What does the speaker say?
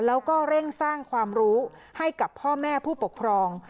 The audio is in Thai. แล้วก็เร่งสร้างความรู้ให้กับพ่อแม่ผู้ปกครอง